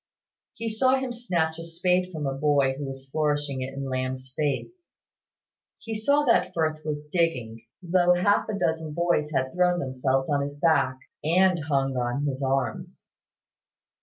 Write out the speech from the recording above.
He saw him snatch a spade from a boy who was flourishing it in Lamb's face. He saw that Firth was digging, though half a dozen boys had thrown themselves on his back, and hung on his arms.